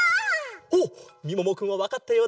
おっみももくんはわかったようだぞ！